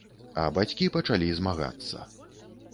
А бацькі пачалі змагацца.